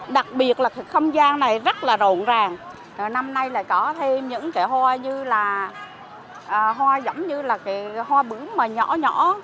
đặc biệt là không gian này rất là rộn ràng năm nay lại có thêm những trẻ hoa như là hoa bướm mà nhỏ nhỏ